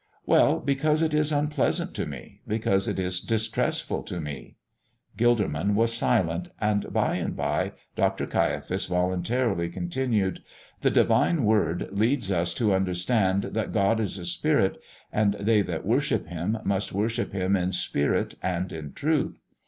"Well, because it is unpleasant to me because it is distressful to me." Gilderman was silent, and, by and by, Dr. Caiaphas voluntarily continued: "The Divine Word leads us to understand that God is a spirit, and they that worship Him must worship Him in spirit and in truth.